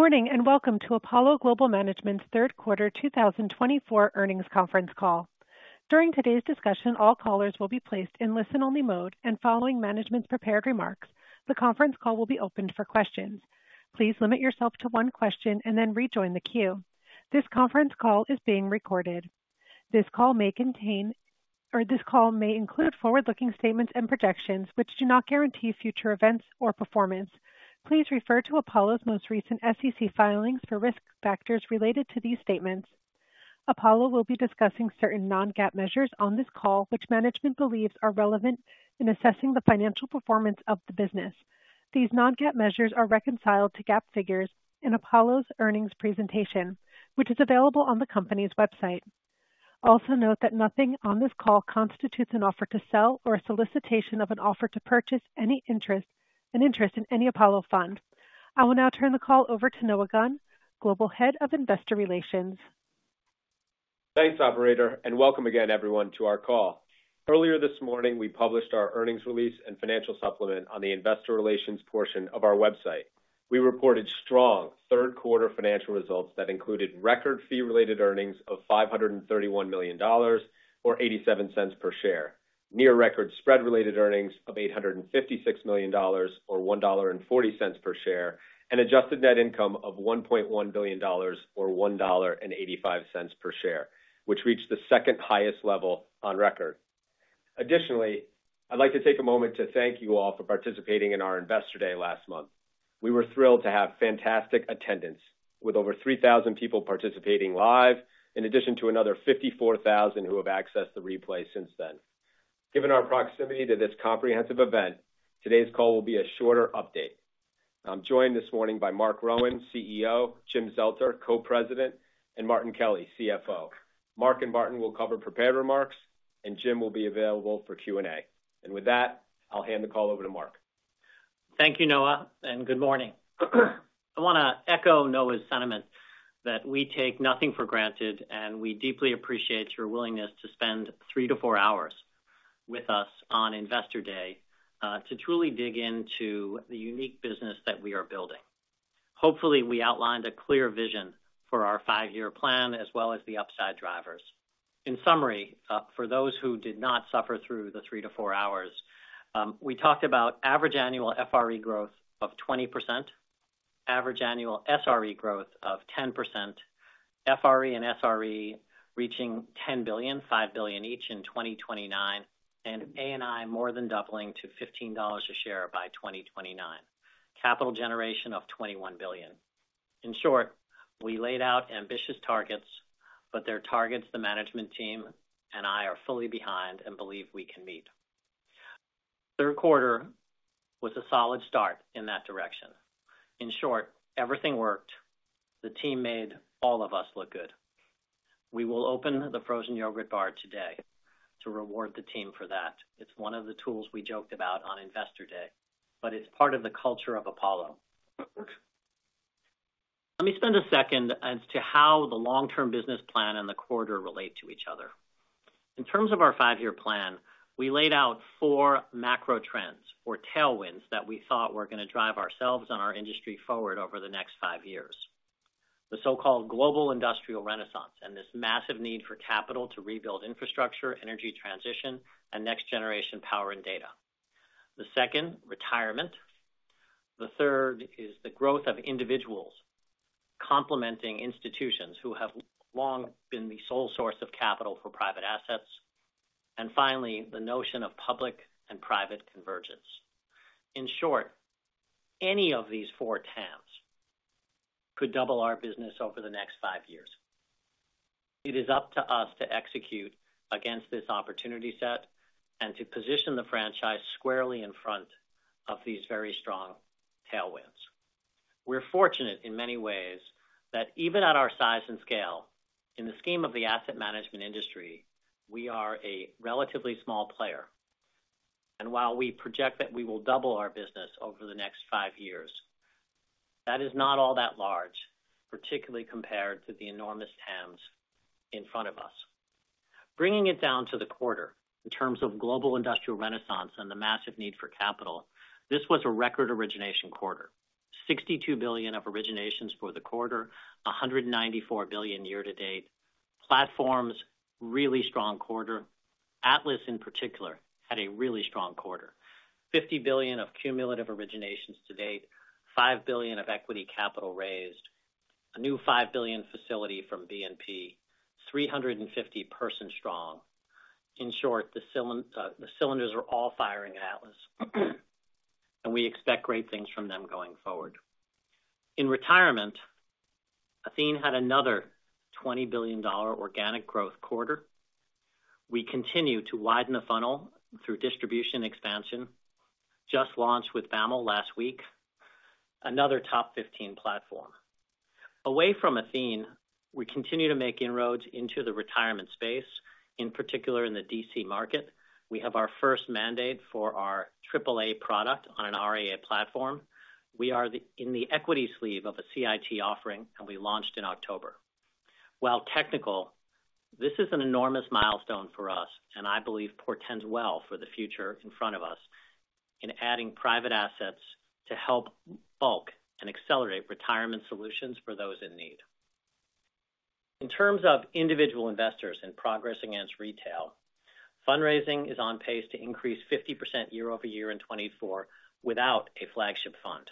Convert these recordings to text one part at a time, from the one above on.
Good morning and welcome to Apollo Global Management's third quarter 2024 earnings conference call. During today's discussion, all callers will be placed in listen-only mode, and following management's prepared remarks, the conference call will be opened for questions. Please limit yourself to one question and then rejoin the queue. This conference call is being recorded. This call may contain or this call may include forward-looking statements and projections, which do not guarantee future events or performance. Please refer to Apollo's most recent SEC filings for risk factors related to these statements. Apollo will be discussing certain non-GAAP measures on this call, which management believes are relevant in assessing the financial performance of the business. These non-GAAP measures are reconciled to GAAP figures in Apollo's earnings presentation, which is available on the company's website. Also note that nothing on this call constitutes an offer to sell or a solicitation of an offer to purchase any interest in any Apollo Fund. I will now turn the call over to Noah Gunn, Global Head of Investor Relations. Thanks, Operator, and welcome again, everyone, to our call. Earlier this morning, we published our earnings release and financial supplement on the investor relations portion of our website. We reported strong third quarter financial results that included record fee-related earnings of $531 million or $0.87 per share, near record spread-related earnings of $856 million or $1.40 per share, and adjusted net income of $1.1 billion or $1.85 per share, which reached the second highest level on record. Additionally, I'd like to take a moment to thank you all for participating in our Investor Day last month. We were thrilled to have fantastic attendance, with over 3,000 people participating live, in addition to another 54,000 who have accessed the replay since then. Given our proximity to this comprehensive event, today's call will be a shorter update. I'm joined this morning by Marc Rowan, CEO, Jim Zelter, Co-President, and Martin Kelly, CFO. Marc and Martin will cover prepared remarks, and Jim will be available for Q&A. And with that, I'll hand the call over to Marc. Thank you, Noah, and good morning. I want to echo Noah's sentiment that we take nothing for granted, and we deeply appreciate your willingness to spend three to four hours with us on Investor Day to truly dig into the unique business that we are building. Hopefully, we outlined a clear vision for our five-year plan as well as the upside drivers. In summary, for those who did not suffer through the three to four hours, we talked about average annual FRE growth of 20%, average annual SRE growth of 10%, FRE and SRE reaching $10 billion, $5 billion each in 2029, and ANI more than doubling to $15 a share by 2029, capital generation of $21 billion. In short, we laid out ambitious targets, but they're targets the management team and I are fully behind and believe we can meet. Third quarter was a solid start in that direction. In short, everything worked. The team made all of us look good. We will open the frozen yogurt bar today to reward the team for that. It's one of the tools we joked about on Investor Day, but it's part of the culture of Apollo. Let me spend a second as to how the long-term business plan and the quarter relate to each other. In terms of our five-year plan, we laid out four macro trends or tailwinds that we thought were going to drive ourselves and our industry forward over the next five years: the so-called global industrial renaissance and this massive need for capital to rebuild infrastructure, energy transition, and next-generation power and data. The second, retirement. The third is the growth of individuals complementing institutions who have long been the sole source of capital for private assets. And finally, the notion of public and private convergence. In short, any of these four TAMs could double our business over the next five years. It is up to us to execute against this opportunity set and to position the franchise squarely in front of these very strong tailwinds. We're fortunate in many ways that even at our size and scale, in the scheme of the asset management industry, we are a relatively small player. And while we project that we will double our business over the next five years, that is not all that large, particularly compared to the enormous TAMs in front of us. Bringing it down to the quarter, in terms of global industrial renaissance and the massive need for capital, this was a record origination quarter: $62 billion of originations for the quarter, $194 billion year-to-date. Platforms, really strong quarter. ATLAS, in particular, had a really strong quarter: $50 billion of cumulative originations to date, $5 billion of equity capital raised, a new $5 billion facility from BNP, 350-person-strong. In short, the cylinders are all firing at ATLAS, and we expect great things from them going forward. In retirement, Athene had another $20 billion organic growth quarter. We continue to widen the funnel through distribution expansion, just launched with BAML last week, another top 15 platform. Away from Athene, we continue to make inroads into the retirement space, in particular in the DC market. We have our first mandate for our AAA product on an RIA platform. We are in the equity sleeve of a CIT offering, and we launched in October. While technical, this is an enormous milestone for us, and I believe portends well for the future in front of us in adding private assets to help bulk and accelerate retirement solutions for those in need. In terms of individual investors and progress against retail, fundraising is on pace to increase 50% year-over-year in 2024 without a flagship fund.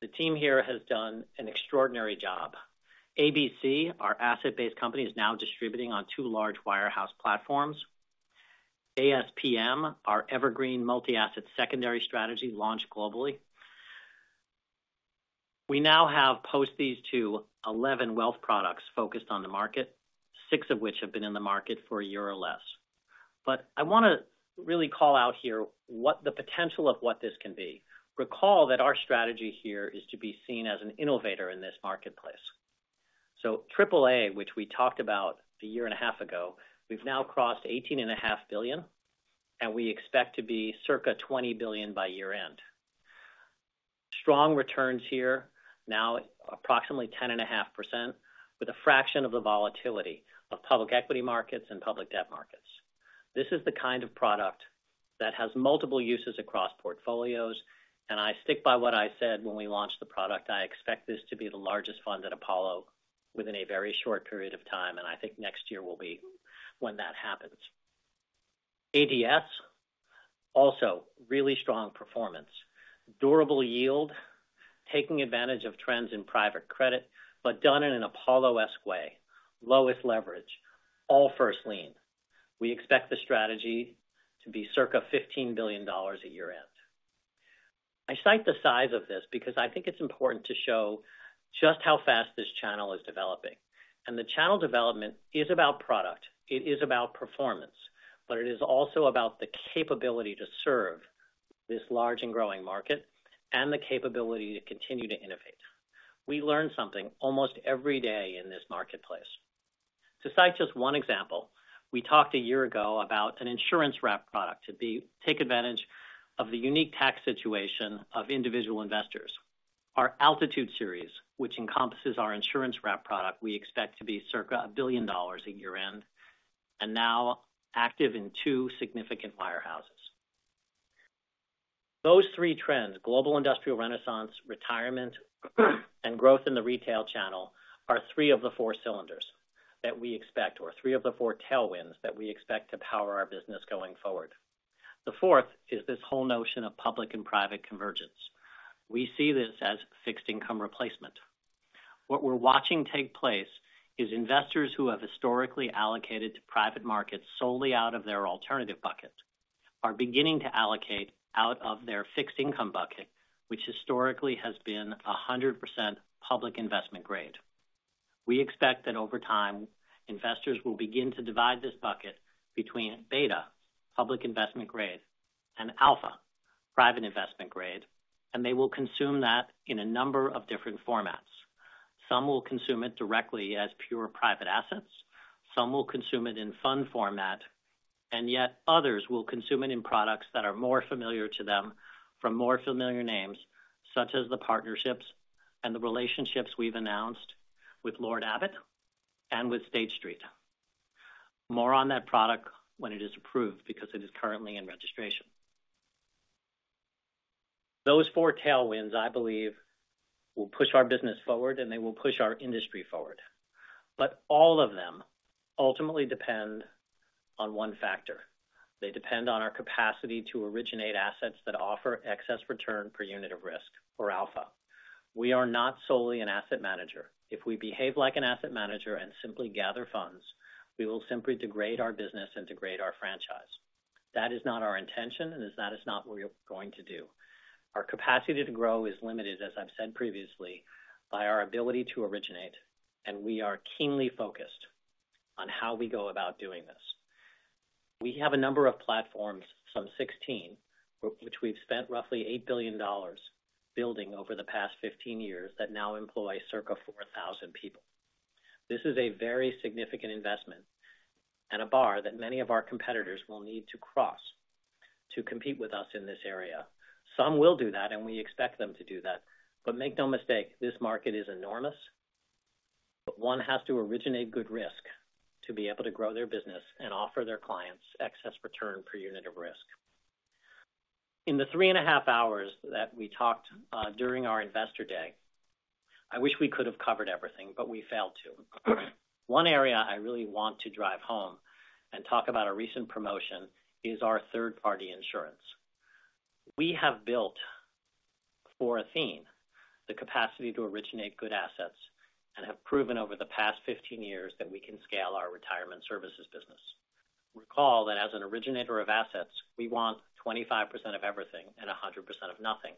The team here has done an extraordinary job. ABC, our asset-based company, is now distributing on two large wirehouse platforms. ASPM, our evergreen multi-asset secondary strategy, launched globally. We now have 11 wealth products focused on the market, six of which have been in the market for a year or less. But I want to really call out here what the potential of what this can be. Recall that our strategy here is to be seen as an innovator in this marketplace. AAA, which we talked about a year and a half ago, we've now crossed $18.5 billion, and we expect to be circa $20 billion by year-end. Strong returns here, now approximately 10.5%, with a fraction of the volatility of public equity markets and public debt markets. This is the kind of product that has multiple uses across portfolios, and I stick by what I said when we launched the product. I expect this to be the largest fund at Apollo within a very short period of time, and I think next year will be when that happens. ADS, also really strong performance, durable yield, taking advantage of trends in private credit, but done in an Apollo-esque way, lowest leverage, all first lien. We expect the strategy to be circa $15 billion at year-end. I cite the size of this because I think it's important to show just how fast this channel is developing, and the channel development is about product. It is about performance, but it is also about the capability to serve this large and growing market and the capability to continue to innovate. We learn something almost every day in this marketplace. To cite just one example, we talked a year ago about an insurance wrap product to take advantage of the unique tax situation of individual investors. Our Altitude series, which encompasses our insurance wrap product, we expect to be circa $1 billion at year-end and now active in two significant wirehouses. Those three trends, global industrial renaissance, retirement, and growth in the retail channel, are three of the four cylinders that we expect, or three of the four tailwinds that we expect to power our business going forward. The fourth is this whole notion of public and private convergence. We see this as fixed income replacement. What we're watching take place is investors who have historically allocated to private markets solely out of their alternative bucket are beginning to allocate out of their fixed income bucket, which historically has been 100% public investment grade. We expect that over time, investors will begin to divide this bucket between beta, public investment grade, and alpha, private investment grade, and they will consume that in a number of different formats. Some will consume it directly as pure private assets. Some will consume it in fund format, and yet others will consume it in products that are more familiar to them from more familiar names, such as the partnerships and the relationships we've announced with Lord Abbett and with State Street. More on that product when it is approved because it is currently in registration. Those four tailwinds, I believe, will push our business forward, and they will push our industry forward. But all of them ultimately depend on one factor. They depend on our capacity to originate assets that offer excess return per unit of risk, or alpha. We are not solely an asset manager. If we behave like an asset manager and simply gather funds, we will simply degrade our business and degrade our franchise. That is not our intention, and that is not what we're going to do. Our capacity to grow is limited, as I've said previously, by our ability to originate, and we are keenly focused on how we go about doing this. We have a number of platforms, some 16, which we've spent roughly $8 billion building over the past 15 years that now employ circa 4,000 people. This is a very significant investment and a bar that many of our competitors will need to cross to compete with us in this area. Some will do that, and we expect them to do that. But make no mistake, this market is enormous, but one has to originate good risk to be able to grow their business and offer their clients excess return per unit of risk. In the three and a half hours that we talked during our Investor Day, I wish we could have covered everything, but we failed to. One area I really want to drive home and talk about a recent promotion is our third-party insurance. We have built for Athene the capacity to originate good assets and have proven over the past 15 years that we can scale our retirement services business. Recall that as an originator of assets, we want 25% of everything and 100% of nothing.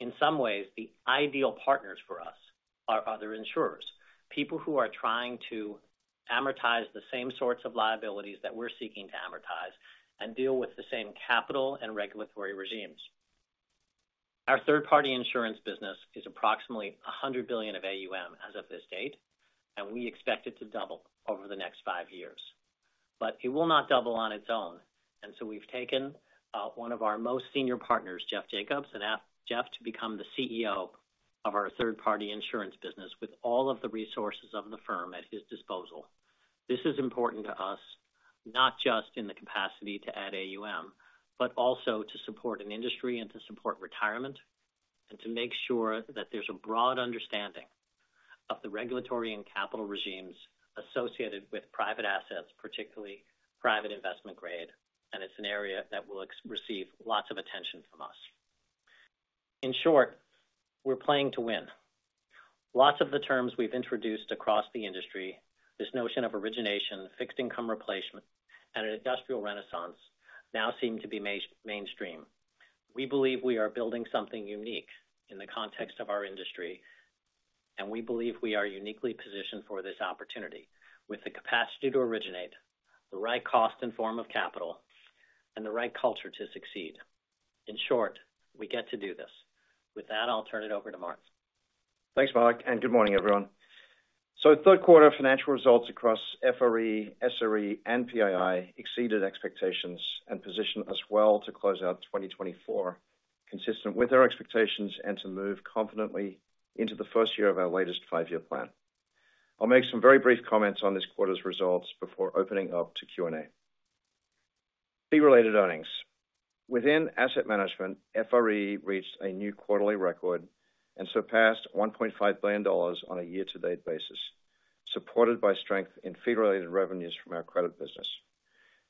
In some ways, the ideal partners for us are other insurers, people who are trying to amortize the same sorts of liabilities that we're seeking to amortize and deal with the same capital and regulatory regimes. Our third-party insurance business is approximately $100 billion of AUM as of this date, and we expect it to double over the next five years. But it will not double on its own. And so we've taken one of our most senior partners, Jeff Jacobs, and asked Jeff to become the CEO of our third-party insurance business with all of the resources of the firm at his disposal. This is important to us, not just in the capacity to add AUM, but also to support an industry and to support retirement and to make sure that there's a broad understanding of the regulatory and capital regimes associated with private assets, particularly private investment grade, and it's an area that will receive lots of attention from us. In short, we're playing to win. Lots of the terms we've introduced across the industry, this notion of origination, fixed income replacement, and an industrial renaissance now seem to be mainstream. We believe we are building something unique in the context of our industry, and we believe we are uniquely positioned for this opportunity with the capacity to originate, the right cost and form of capital, and the right culture to succeed. In short, we get to do this. With that, I'll turn it over to Martin. Thanks Marc. Good morning, everyone. Third quarter financial results across FRE, SRE, and PII exceeded expectations and positioned us well to close out 2024 consistent with our expectations and to move confidently into the first year of our latest five-year plan. I'll make some very brief comments on this quarter's results before opening up to Q&A. Fee-related earnings. Within asset management, FRE reached a new quarterly record and surpassed $1.5 billion on a year-to-date basis, supported by strength in fee-related revenues from our credit business.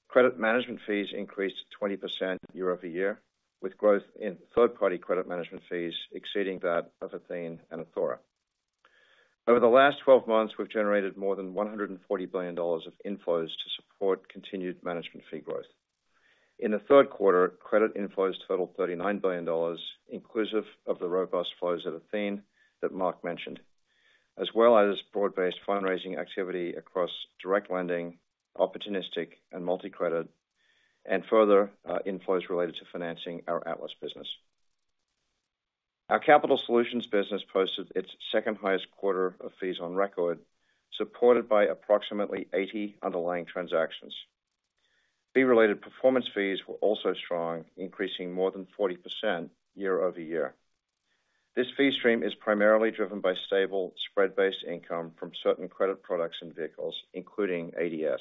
Credit management fees increased 20% year-over-year, with growth in third-party credit management fees exceeding that of Athene and Athora. Over the last 12 months, we've generated more than $140 billion of inflows to support continued management fee growth. In the third quarter, credit inflows totaled $39 billion, inclusive of the robust flows at Athene that Marc mentioned, as well as broad-based fundraising activity across direct lending, opportunistic, and multi-credit, and further inflows related to financing our ATLAS business. Our capital solutions business posted its second-highest quarter of fees on record, supported by approximately 80 underlying transactions. Fee-related performance fees were also strong, increasing more than 40% year-over-year. This fee stream is primarily driven by stable spread-based income from certain credit products and vehicles, including ADS.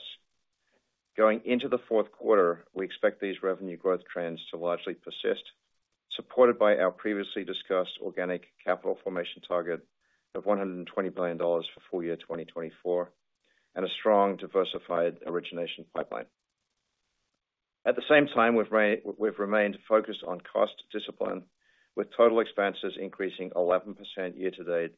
Going into the fourth quarter, we expect these revenue growth trends to largely persist, supported by our previously discussed organic capital formation target of $120 billion for full year 2024 and a strong diversified origination pipeline. At the same time, we've remained focused on cost discipline, with total expenses increasing 11% year-to-date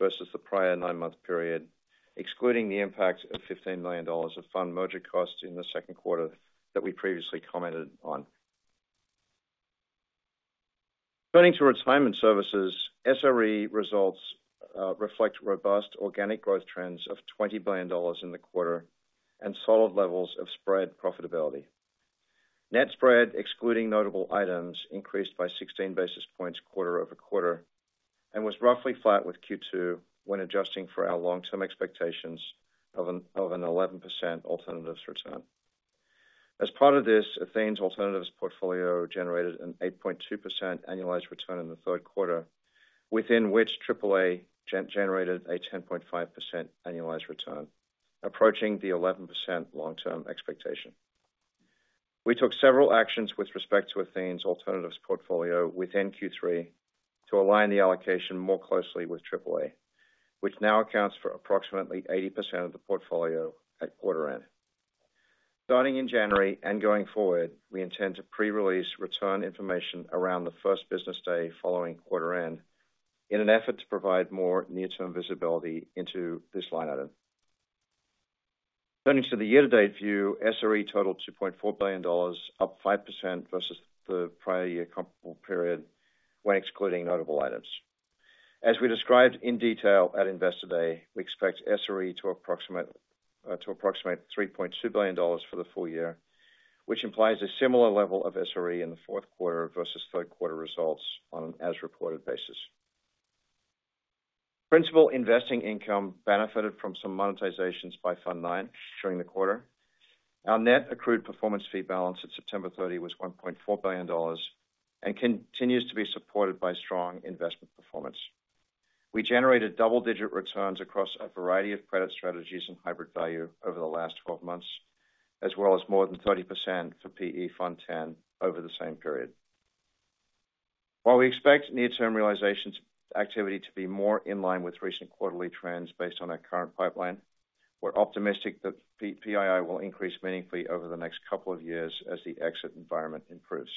versus the prior nine-month period, excluding the impact of $15 million of fund merger costs in the second quarter that we previously commented on. Turning to retirement services, SRE results reflect robust organic growth trends of $20 billion in the quarter and solid levels of spread profitability. Net spread, excluding notable items, increased by 16 basis points quarter over quarter and was roughly flat with Q2 when adjusting for our long-term expectations of an 11% alternatives return. As part of this, Athene's alternatives portfolio generated an 8.2% annualized return in the third quarter, within which AAA generated a 10.5% annualized return, approaching the 11% long-term expectation. We took several actions with respect to Athene's alternatives portfolio within Q3 to align the allocation more closely with AAA, which now accounts for approximately 80% of the portfolio at quarter end. Starting in January and going forward, we intend to pre-release return information around the first business day following quarter end in an effort to provide more near-term visibility into this line item. Turning to the year-to-date view, SRE totaled $2.4 billion, up 5% versus the prior year comparable period when excluding notable items. As we described in detail at Investor Day, we expect SRE to approximate $3.2 billion for the full year, which implies a similar level of SRE in the fourth quarter versus third quarter results on an as-reported basis. Principal investing income benefited from some monetizations by Fund IX during the quarter. Our net accrued performance fee balance at September 30 was $1.4 billion and continues to be supported by strong investment performance. We generated double-digit returns across a variety of credit strategies and hybrid value over the last 12 months, as well as more than 30% for PE Fund X over the same period. While we expect near-term realization activity to be more in line with recent quarterly trends based on our current pipeline, we're optimistic that PII will increase meaningfully over the next couple of years as the exit environment improves.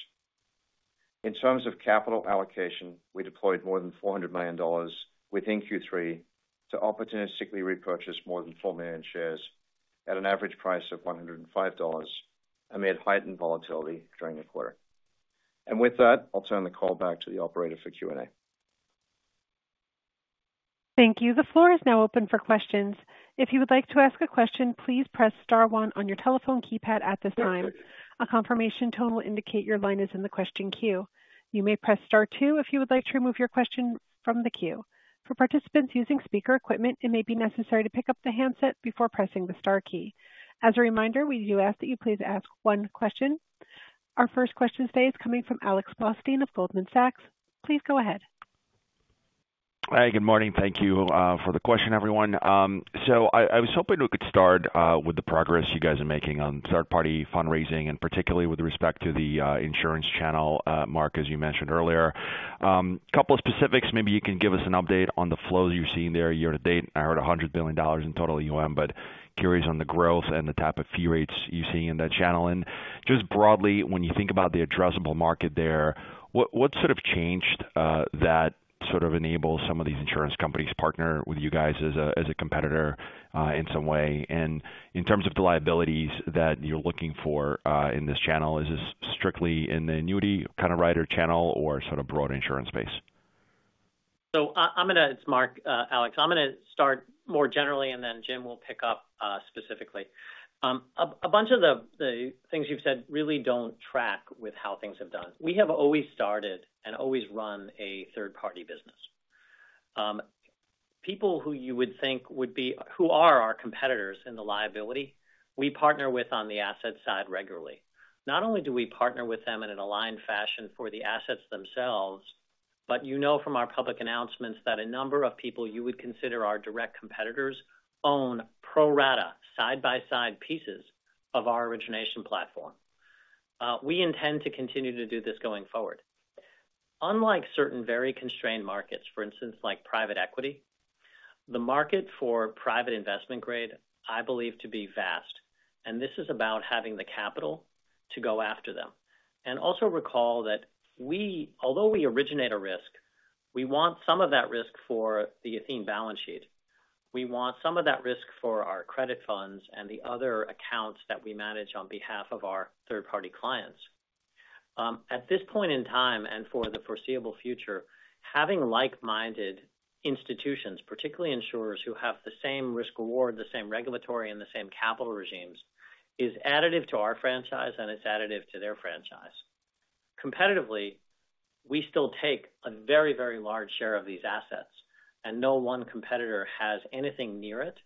In terms of capital allocation, we deployed more than $400 million within Q3 to opportunistically repurchase more than four million shares at an average price of $105 amid heightened volatility during the quarter, and with that, I'll turn the call back to the operator for Q&A. Thank you. The floor is now open for questions. If you would like to ask a question, please press Star one on your telephone keypad at this time. A confirmation tone will indicate your line is in the question queue. You may press Star two if you would like to remove your question from the queue. For participants using speaker equipment, it may be necessary to pick up the handset before pressing the Star key. As a reminder, we do ask that you please ask one question. Our first question today is coming from Alex Blostein of Goldman Sachs. Please go ahead. Hi, good morning. Thank you for the question, everyone. So I was hoping we could start with the progress you guys are making on third-party fundraising, and particularly with respect to the insurance channel, Marc, as you mentioned earlier. A couple of specifics. Maybe you can give us an update on the flows you're seeing there year-to-date. I heard $100 billion in total AUM, but curious on the growth and the type of fee rates you're seeing in that channel. And just broadly, when you think about the addressable market there, what sort of changed that sort of enables some of these insurance companies to partner with you guys as a competitor in some way? And in terms of the liabilities that you're looking for in this channel, is this strictly in the annuity kind of rider channel or sort of broader insurance space? So I'm going to. It's Marc, Alex. I'm going to start more generally, and then Jim will pick up specifically. A bunch of the things you've said really don't track with how things have done. We have always started and always run a third-party business. People who you would think would be, who are our competitors in the liability we partner with on the asset side regularly. Not only do we partner with them in an aligned fashion for the assets themselves, but you know from our public announcements that a number of people you would consider our direct competitors own pro rata side-by-side pieces of our origination platform. We intend to continue to do this going forward. Unlike certain very constrained markets, for instance, like private equity, the market for private investment grade I believe to be vast, and this is about having the capital to go after them, and also recall that although we originate a risk, we want some of that risk for the Athene balance sheet. We want some of that risk for our credit funds and the other accounts that we manage on behalf of our third-party clients. At this point in time and for the foreseeable future, having like-minded institutions, particularly insurers who have the same risk-reward, the same regulatory, and the same capital regimes is additive to our franchise, and it's additive to their franchise. Competitively, we still take a very, very large share of these assets, and no one competitor has anything near it.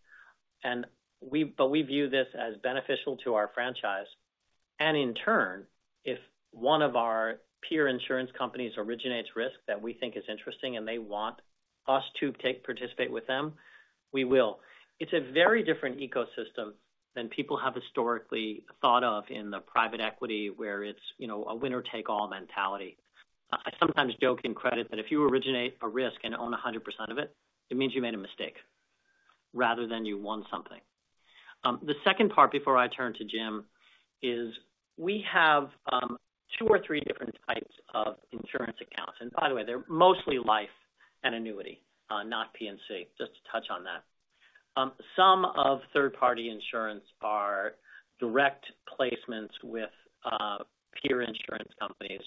But we view this as beneficial to our franchise and in turn, if one of our peer insurance companies originates risk that we think is interesting and they want us to participate with them, we will. It's a very different ecosystem than people have historically thought of in the private equity where it's a winner-take-all mentality. I sometimes joke in credit that if you originate a risk and own 100% of it, it means you made a mistake rather than you won something. The second part before I turn to Jim is we have two or three different types of insurance accounts. And by the way, they're mostly life and annuity, not P&C, just to touch on that. Some of third-party insurance are direct placements with peer insurance companies,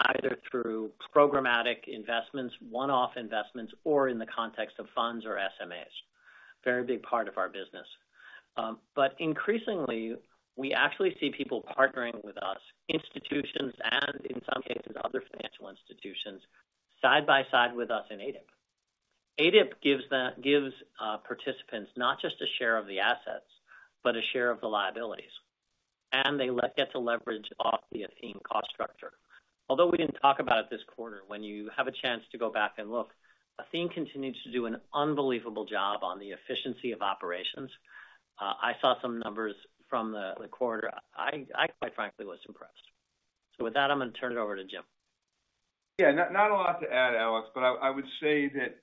either through programmatic investments, one-off investments, or in the context of funds or SMAs, a very big part of our business. But increasingly, we actually see people partnering with us, institutions, and in some cases, other financial institutions side by side with us in ADIP. ADIP gives participants not just a share of the assets, but a share of the liabilities. And they get to leverage off the Athene cost structure. Although we didn't talk about it this quarter, when you have a chance to go back and look, Athene continues to do an unbelievable job on the efficiency of operations. I saw some numbers from the quarter. I, quite frankly, was impressed. So with that, I'm going to turn it over to Jim. Yeah, not a lot to add, Alex, but I would say that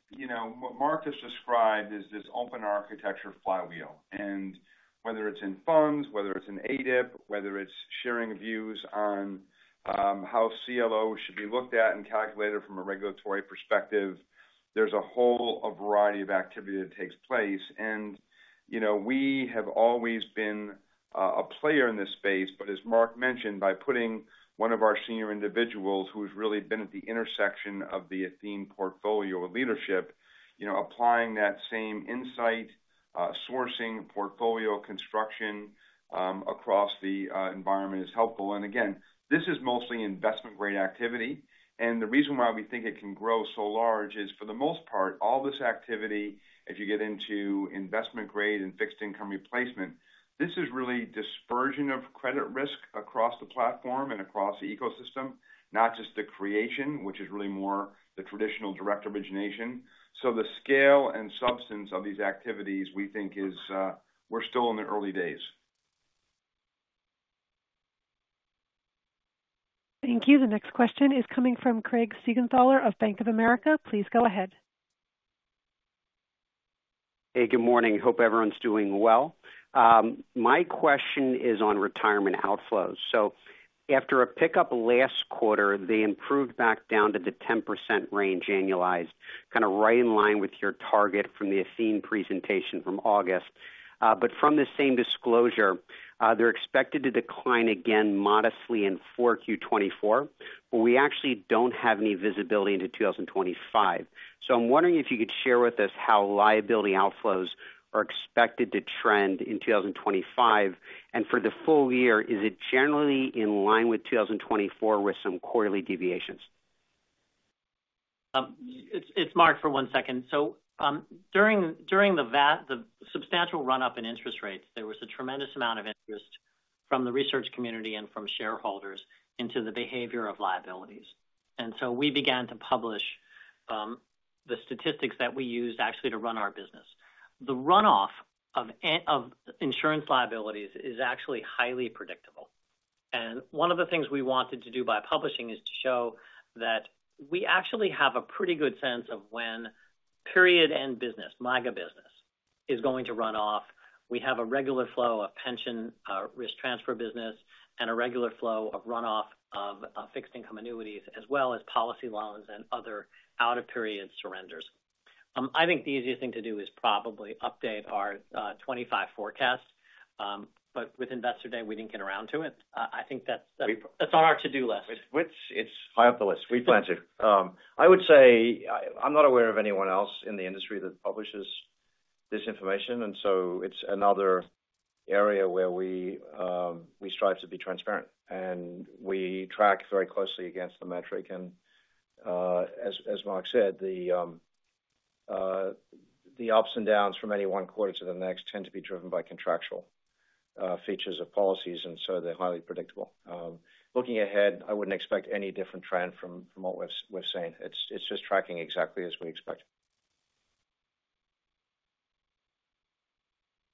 what Marc has described is this open architecture flywheel. And whether it's in funds, whether it's in ADIP, whether it's sharing views on how CLO should be looked at and calculated from a regulatory perspective, there's a whole variety of activity that takes place. And we have always been a player in this space, but as Marc mentioned, by putting one of our senior individuals who has really been at the intersection of the Athene portfolio of leadership, applying that same insight, sourcing, portfolio construction across the environment is helpful. And again, this is mostly investment-grade activity. And the reason why we think it can grow so large is, for the most part, all this activity, if you get into investment-grade and fixed income replacement, this is really dispersion of credit risk across the platform and across the ecosystem, not just the creation, which is really more the traditional direct origination. So the scale and substance of these activities, we think we're still in the early days. Thank you. The next question is coming from Craig Siegenthaler of Bank of America. Please go ahead. Hey, good morning. Hope everyone's doing well. My question is on retirement outflows. So after a pickup last quarter, they improved back down to the 10% range annualized, kind of right in line with your target from the Athene presentation from August. But from the same disclosure, they're expected to decline again modestly in Q4 2024, but we actually don't have any visibility into 2025. So I'm wondering if you could share with us how liability outflows are expected to trend in 2025. And for the full year, is it generally in line with 2024 with some quarterly deviations? It's Marc for one second. So during the substantial run-up in interest rates, there was a tremendous amount of interest from the research community and from shareholders into the behavior of liabilities. And so we began to publish the statistics that we used actually to run our business. The run-off of insurance liabilities is actually highly predictable. And one of the things we wanted to do by publishing is to show that we actually have a pretty good sense of when period-end business, MYGA business, is going to run off. We have a regular flow of pension risk transfer business and a regular flow of run-off of fixed income annuities, as well as policy loans and other out-of-period surrenders. I think the easiest thing to do is probably update our 2025 forecast, but with Investor Day, we didn't get around to it. I think that's on our to-do list. It's high up the list. We plan to. I would say I'm not aware of anyone else in the industry that publishes this information, and so it's another area where we strive to be transparent, and we track very closely against the metric, and as Marc said, the ups and downs from any one quarter to the next tend to be driven by contractual features of policies, and so they're highly predictable. Looking ahead, I wouldn't expect any different trend from what we've seen. It's just tracking exactly as we expect.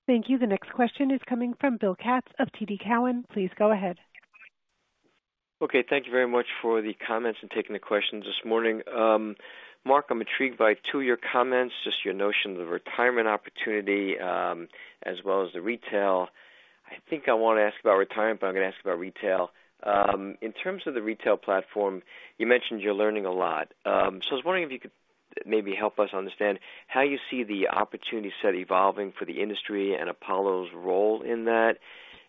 Thank you. The next question is coming from Bill Katz of TD Cowen. Please go ahead. Okay. Thank you very much for the comments and taking the questions this morning. Marc, I'm intrigued by two of your comments, just your notion of the retirement opportunity as well as the retail. I think I want to ask about retirement, but I'm going to ask about retail. In terms of the retail platform, you mentioned you're learning a lot. So I was wondering if you could maybe help us understand how you see the opportunity set evolving for the industry and Apollo's role in that.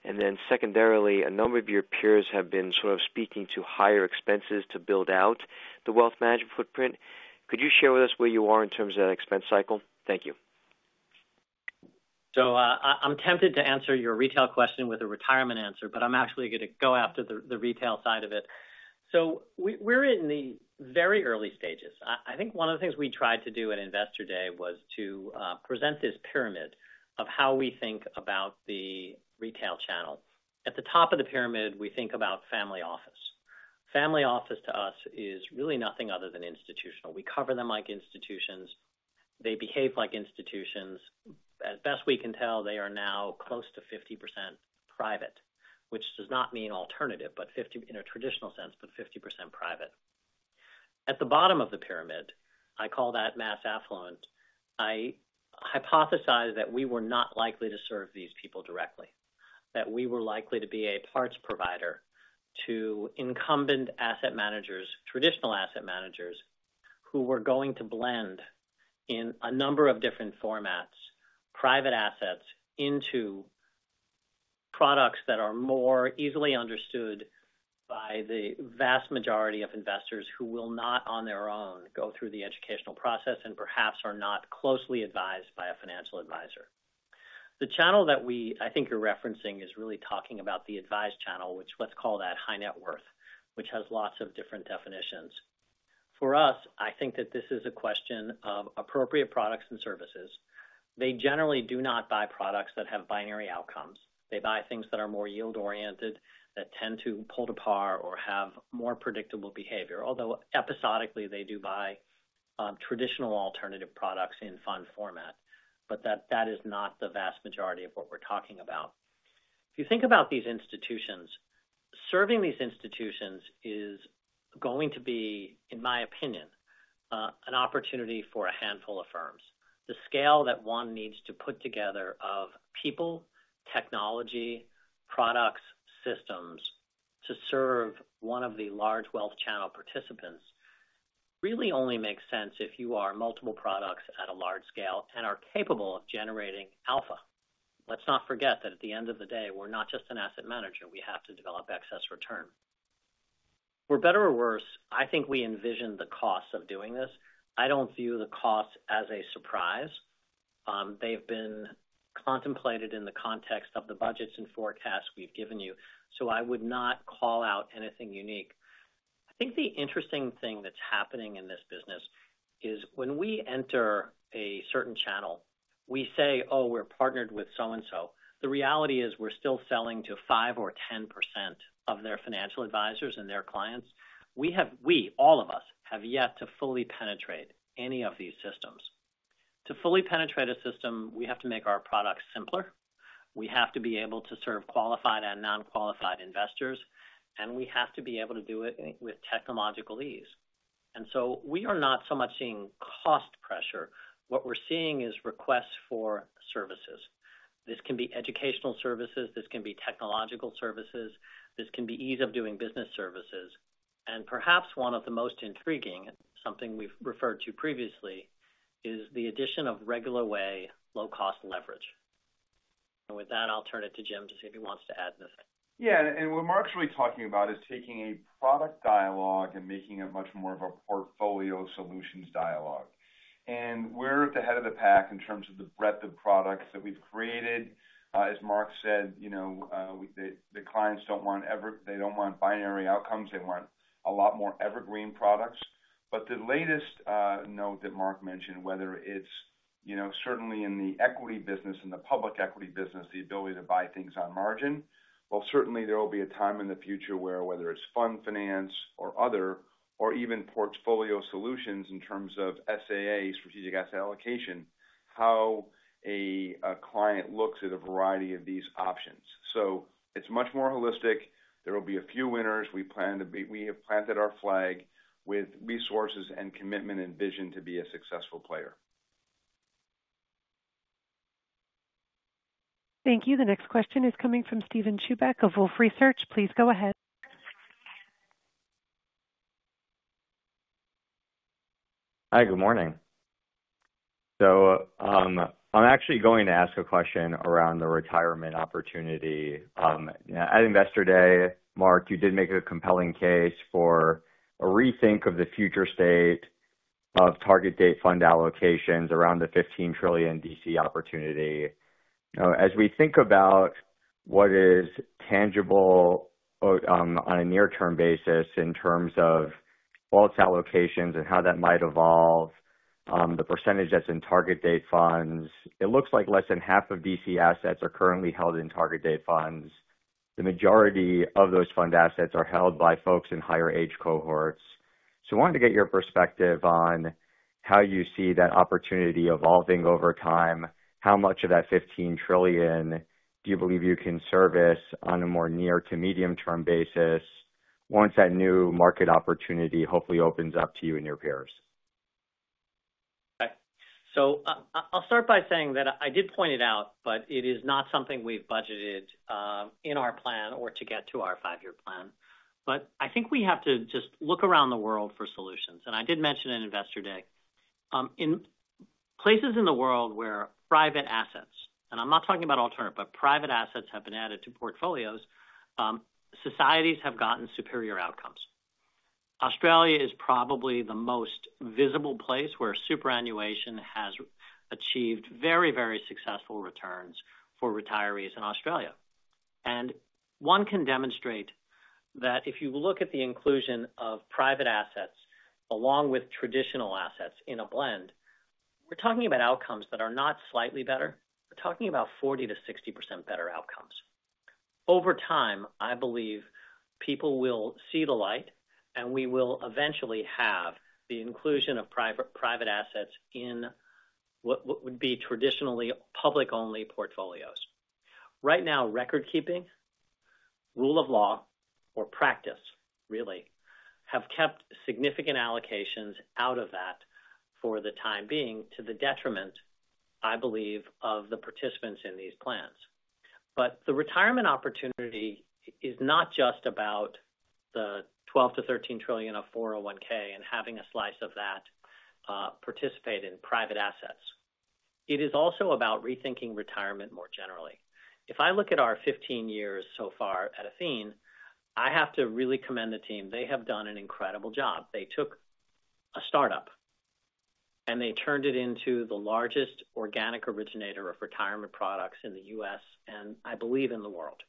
And then secondarily, a number of your peers have been sort of speaking to higher expenses to build out the wealth management footprint. Could you share with us where you are in terms of that expense cycle? Thank you. So I'm tempted to answer your retail question with a retirement answer, but I'm actually going to go after the retail side of it. So we're in the very early stages. I think one of the things we tried to do at Investor Day was to present this pyramid of how we think about the retail channel. At the top of the pyramid, we think about family office. Family office to us is really nothing other than institutional. We cover them like institutions. They behave like institutions. As best we can tell, they are now close to 50% private, which does not mean alternative, but in a traditional sense, but 50% private. At the bottom of the pyramid, I call that mass affluent. I hypothesize that we were not likely to serve these people directly, that we were likely to be a parts provider to incumbent asset managers, traditional asset managers who were going to blend in a number of different formats, private assets into products that are more easily understood by the vast majority of investors who will not, on their own, go through the educational process and perhaps are not closely advised by a financial advisor. The channel that I think you're referencing is really talking about the advised channel, which let's call that high net worth, which has lots of different definitions. For us, I think that this is a question of appropriate products and services. They generally do not buy products that have binary outcomes. They buy things that are more yield-oriented that tend to pull to par or have more predictable behavior. Although episodically, they do buy traditional alternative products in fund format, but that is not the vast majority of what we're talking about. If you think about these institutions, serving these institutions is going to be, in my opinion, an opportunity for a handful of firms. The scale that one needs to put together of people, technology, products, systems to serve one of the large wealth channel participants really only makes sense if you are multiple products at a large scale and are capable of generating alpha. Let's not forget that at the end of the day, we're not just an asset manager. We have to develop excess return. For better or worse, I think we envision the costs of doing this. I don't view the costs as a surprise. They've been contemplated in the context of the budgets and forecasts we've given you. I would not call out anything unique. I think the interesting thing that's happening in this business is when we enter a certain channel, we say, "Oh, we're partnered with so-and-so." The reality is we're still selling to 5% or 10% of their financial advisors and their clients. We, all of us, have yet to fully penetrate any of these systems. To fully penetrate a system, we have to make our products simpler. We have to be able to serve qualified and non-qualified investors, and we have to be able to do it with technological ease. And so we are not so much seeing cost pressure. What we're seeing is requests for services. This can be educational services. This can be technological services. This can be ease of doing business services. And perhaps one of the most intriguing, something we've referred to previously, is the addition of regular way, low-cost leverage. And with that, I'll turn it to Jim to see if he wants to add anything. Yeah. And what Marc's really talking about is taking a product dialogue and making it much more of a portfolio solutions dialogue. And we're at the head of the pack in terms of the breadth of products that we've created. As Marc said, the clients don't want binary outcomes. They want a lot more evergreen products. But the latest note that Marc mentioned, whether it's certainly in the equity business and the public equity business, the ability to buy things on margin. Well, certainly there will be a time in the future where, whether it's fund finance or other or even portfolio solutions in terms of SAA, Strategic Asset Allocation, how a client looks at a variety of these options. So it's much more holistic. There will be a few winners. We have planted our flag with resources and commitment and vision to be a successful player. Thank you. The next question is coming from Steven Chubak of Wolfe Research. Please go ahead. Hi. Good morning. So I'm actually going to ask a question around the retirement opportunity. At Investor Day, Marc, you did make a compelling case for a rethink of the future state of target date fund allocations around the $15 trillion DC opportunity. As we think about what is tangible on a near-term basis in terms of wealth allocations and how that might evolve, the percentage that's in target date funds. It looks like less than half of DC assets are currently held in target date funds. The majority of those fund assets are held by folks in higher age cohorts. So I wanted to get your perspective on how you see that opportunity evolving over time. How much of that $15 trillion do you believe you can service on a more near-to-medium-term basis once that new market opportunity hopefully opens up to you and your peers? Okay. So I'll start by saying that I did point it out, but it is not something we've budgeted in our plan or to get to our five-year plan. But I think we have to just look around the world for solutions. I did mention at Investor Day, in places in the world where private assets, and I'm not talking about alternative, but private assets have been added to portfolios, societies have gotten superior outcomes. Australia is probably the most visible place where superannuation has achieved very, very successful returns for retirees in Australia. One can demonstrate that if you look at the inclusion of private assets along with traditional assets in a blend, we're talking about outcomes that are not slightly better. We're talking about 40%-60% better outcomes. Over time, I believe people will see the light, and we will eventually have the inclusion of private assets in what would be traditionally public-only portfolios. Right now, record-keeping, rule of law, or practice, really, have kept significant allocations out of that for the time being to the detriment, I believe, of the participants in these plans. But the retirement opportunity is not just about the $12 trillion-13 trillion of 401(k) and having a slice of that participate in private assets. It is also about rethinking retirement more generally. If I look at our 15 years so far at Athene, I have to really commend the team. They have done an incredible job. They took a startup, and they turned it into the largest organic originator of retirement products in the U.S. and I believe in the world.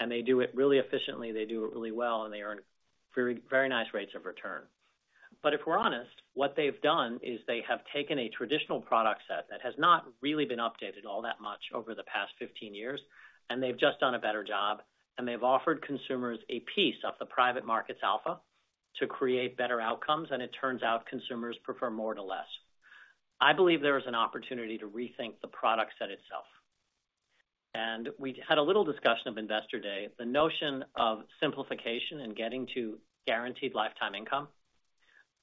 And they do it really efficiently. They do it really well, and they earn very nice rates of return. But if we're honest, what they've done is they have taken a traditional product set that has not really been updated all that much over the past 15 years, and they've just done a better job. And they've offered consumers a piece of the private market's alpha to create better outcomes. And it turns out consumers prefer more to less. I believe there is an opportunity to rethink the product set itself. And we had a little discussion of Investor Day, the notion of simplification and getting to guaranteed lifetime income,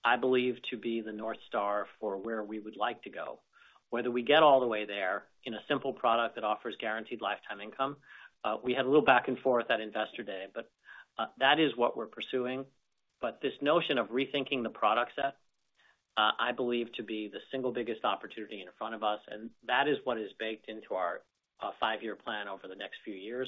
I believe, to be the North Star for where we would like to go. Whether we get all the way there in a simple product that offers guaranteed lifetime income, we had a little back and forth at Investor Day, but that is what we're pursuing. But this notion of rethinking the product set, I believe, to be the single biggest opportunity in front of us. And that is what is baked into our five-year plan over the next few years.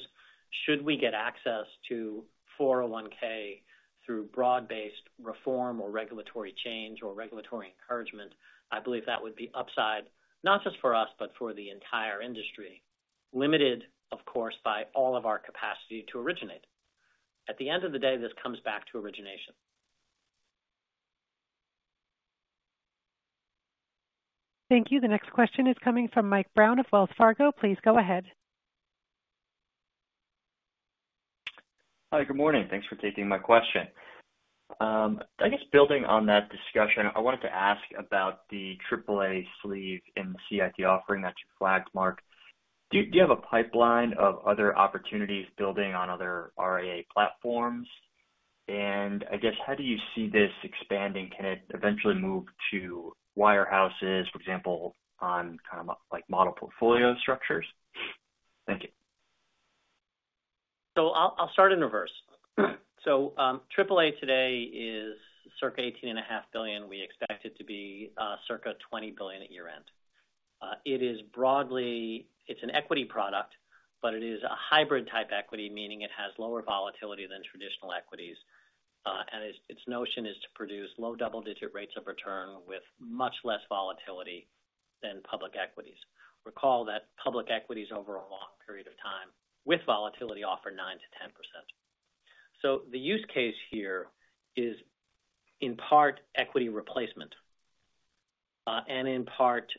Should we get access to 401(k) through broad-based reform or regulatory change or regulatory encouragement, I believe that would be upside not just for us, but for the entire industry, limited, of course, by all of our capacity to originate. At the end of the day, this comes back to origination. Thank you. The next question is coming from Mike Brown of Wells Fargo. Please go ahead. Hi. Good morning. Thanks for taking my question. I guess building on that discussion, I wanted to ask about the AAA sleeve in the CIT offering that you flagged, Marc. Do you have a pipeline of other opportunities building on other RIA platforms? And I guess, how do you see this expanding? Can it eventually move to wirehouses, for example, on kind of model portfolio structures? Thank you. So I'll start in reverse. So AAA today is circa $18.5 billion. We expect it to be circa $20 billion at year-end. It's an equity product, but it is a hybrid-type equity, meaning it has lower volatility than traditional equities. And its notion is to produce low double-digit rates of return with much less volatility than public equities. Recall that public equities over a long period of time with volatility offer 9%-10%. So the use case here is in part equity replacement and in part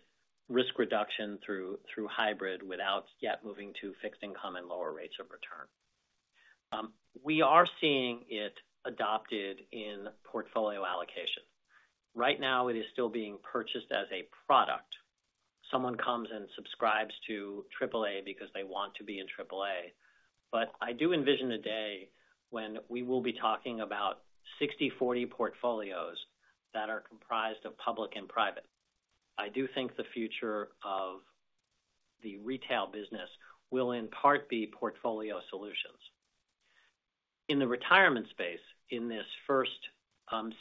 risk reduction through hybrid without yet moving to fixed income and lower rates of return. We are seeing it adopted in portfolio allocation. Right now, it is still being purchased as a product. Someone comes and subscribes to AAA because they want to be in AAA. But I do envision a day when we will be talking about 60/40 portfolios that are comprised of public and private. I do think the future of the retail business will in part be portfolio solutions. In the retirement space, in this first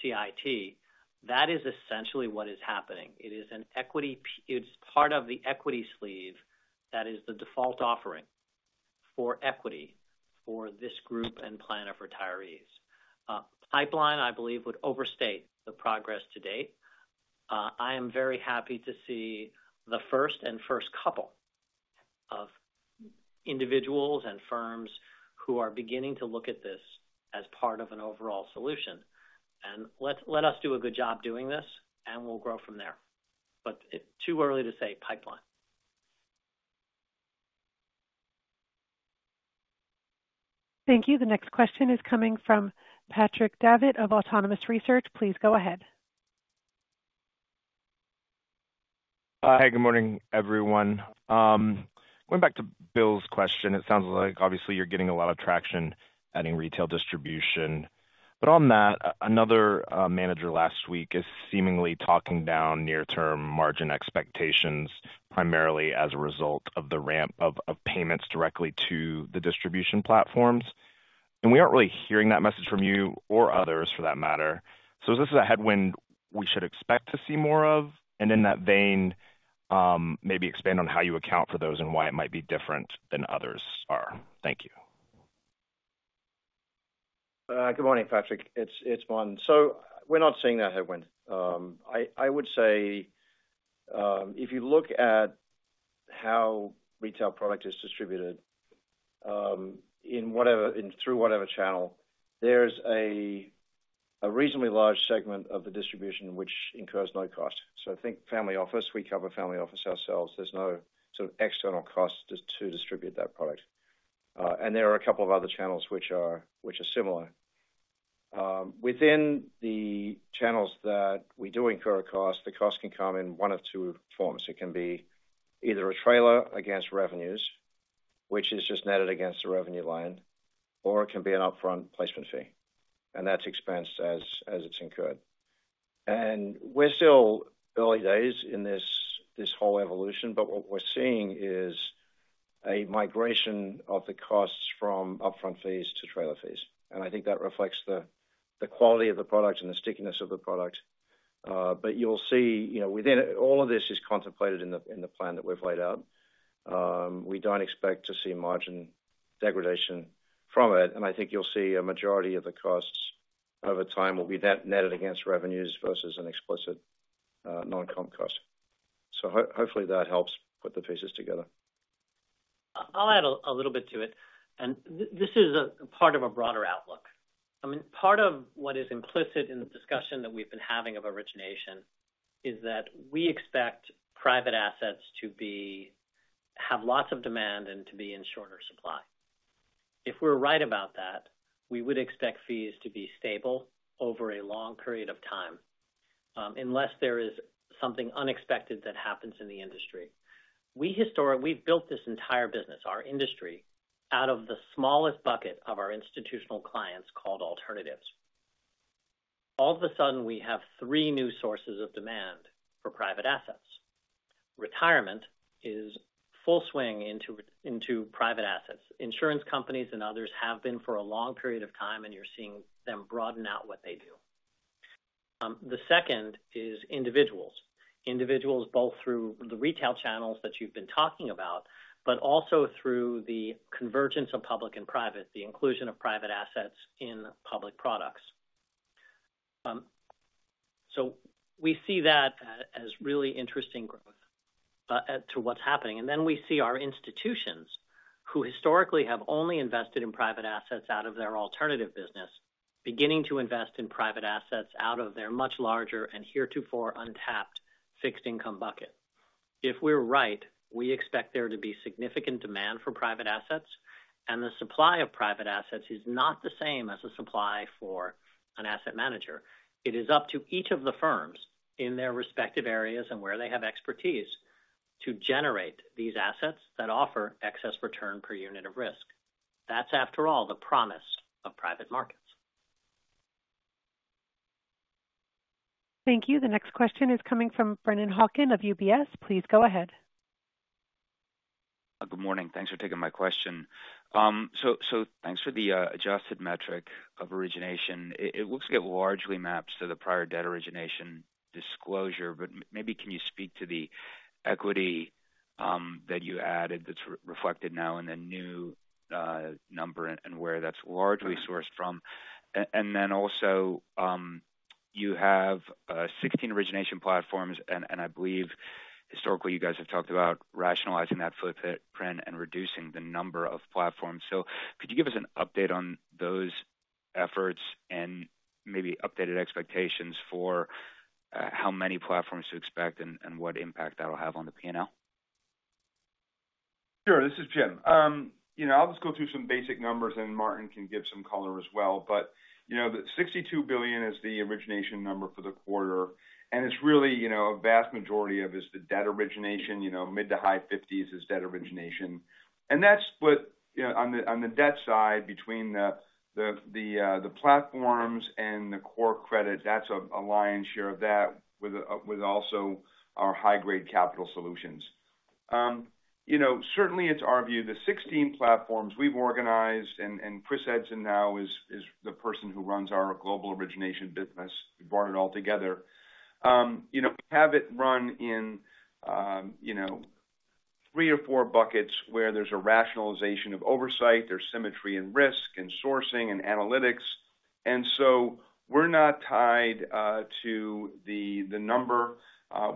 CIT, that is essentially what is happening. It's part of the equity sleeve that is the default offering for equity for this group and plan of retirees. Pipeline, I believe, would overstate the progress to date. I am very happy to see the first and first couple of individuals and firms who are beginning to look at this as part of an overall solution. And let us do a good job doing this, and we'll grow from there. But too early to say pipeline. Thank you. The next question is coming from Patrick Davitt of Autonomous Research. Please go ahead. Hi. Good morning, everyone. Going back to Bill's question, it sounds like, obviously, you're getting a lot of traction adding retail distribution. But on that, another manager last week is seemingly talking down near-term margin expectations primarily as a result of the ramp of payments directly to the distribution platforms. And we aren't really hearing that message from you or others, for that matter. So is this a headwind we should expect to see more of? And in that vein, maybe expand on how you account for those and why it might be different than others are. Thank you. Good morning, Patrick. It's Martin. So we're not seeing that headwind. I would say if you look at how retail product is distributed through whatever channel, there's a reasonably large segment of the distribution which incurs no cost. So I think family office, we cover family office ourselves. There's no sort of external cost to distribute that product. And there are a couple of other channels which are similar. Within the channels that we do incur a cost, the cost can come in one of two forms. It can be either a trailer against revenues, which is just netted against the revenue line, or it can be an upfront placement fee. And that's expensed as it's incurred. And we're still early days in this whole evolution, but what we're seeing is a migration of the costs from upfront fees to trailer fees. And I think that reflects the quality of the product and the stickiness of the product. But you'll see within all of this is contemplated in the plan that we've laid out. We don't expect to see margin degradation from it. And I think you'll see a majority of the costs over time will be netted against revenues versus an explicit non-comp cost. So hopefully, that helps put the pieces together. I'll add a little bit to it, and this is a part of a broader outlook. I mean, part of what is implicit in the discussion that we've been having of origination is that we expect private assets to have lots of demand and to be in shorter supply. If we're right about that, we would expect fees to be stable over a long period of time unless there is something unexpected that happens in the industry. We've built this entire business, our industry, out of the smallest bucket of our institutional clients called alternatives. All of a sudden, we have three new sources of demand for private assets. Retirement is full swing into private assets. Insurance companies and others have been for a long period of time, and you're seeing them broaden out what they do. The second is individuals. Individuals both through the retail channels that you've been talking about, but also through the convergence of public and private, the inclusion of private assets in public products, so we see that as really interesting growth to what's happening, and then we see our institutions, who historically have only invested in private assets out of their alternative business, beginning to invest in private assets out of their much larger and heretofore untapped fixed income bucket. If we're right, we expect there to be significant demand for private assets, and the supply of private assets is not the same as the supply for an asset manager. It is up to each of the firms in their respective areas and where they have expertise to generate these assets that offer excess return per unit of risk. That's, after all, the promise of private markets. Thank you. The next question is coming from Brennan Hawken of UBS. Please go ahead. Good morning. Thanks for taking my question. So thanks for the adjusted metric of origination. It looks like it largely maps to the prior debt origination disclosure, but maybe can you speak to the equity that you added that's reflected now in the new number and where that's largely sourced from? And then also, you have 16 origination platforms, and I believe historically you guys have talked about rationalizing that footprint and reducing the number of platforms. So could you give us an update on those efforts and maybe updated expectations for how many platforms to expect and what impact that'll have on the P&L? Sure. This is Jim. I'll just go through some basic numbers, and Martin can give some color as well. But $62 billion is the origination number for the quarter. And it's really a vast majority of is the debt origination. Mid- to high-50s is debt origination. And that's what on the debt side between the platforms and the core credit, that's a lion's share of that with also our high-grade capital solutions. Certainly, it's our view. The 16 platforms we've organized, and Chris Edson now is the person who runs our global origination business, brought it all together. We have it run in three or four buckets where there's a rationalization of oversight, there's symmetry in risk and sourcing and analytics. And so we're not tied to the number.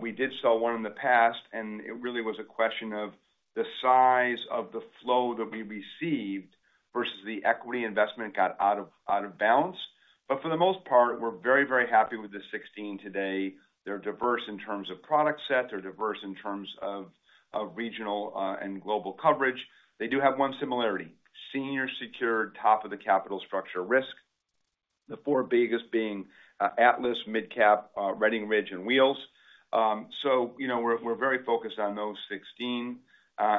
We did sell one in the past, and it really was a question of the size of the flow that we received versus the equity investment got out of balance. But for the most part, we're very, very happy with the 16 today. They're diverse in terms of product set. They're diverse in terms of regional and global coverage. They do have one similarity: senior secured top of the capital structure risk, the four biggest being ATLAS, MidCap, Redding Ridge, and Wheels. So we're very focused on those 16